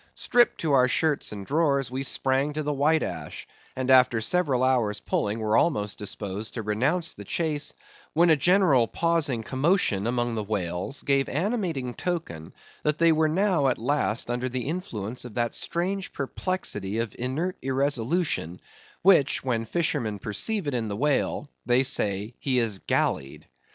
Stripped to our shirts and drawers, we sprang to the white ash, and after several hours' pulling were almost disposed to renounce the chase, when a general pausing commotion among the whales gave animating token that they were now at last under the influence of that strange perplexity of inert irresolution, which, when the fishermen perceive it in the whale, they say he is gallied.